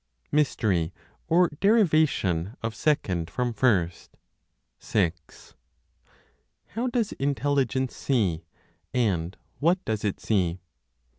MYSTERY OR DERIVATION OF SECOND FROM FIRST. 6. How does Intelligence see, and what does it see?